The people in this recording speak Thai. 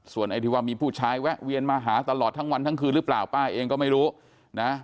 ไอ้ที่ว่ามีผู้ชายแวะเวียนมาหาตลอดทั้งวันทั้งคืนหรือเปล่าป้าเองก็ไม่รู้นะ